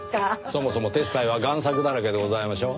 そもそも鉄斎は贋作だらけでございましょ？